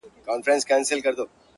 • هسي نه هغه باور ـ